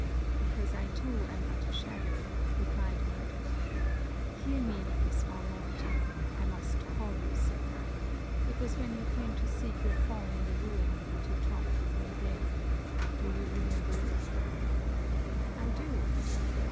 'Because I too am but a shadow,' replied Murden. 'Hear me, Miss Valmont. I must call you so. It was when you came to seek your fawn in the Ruin, that you talked with me there. Do you remember it?' 'I do.'